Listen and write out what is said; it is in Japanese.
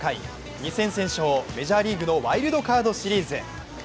２戦戦勝、メジャーリーグのワイルドカードシリーズ。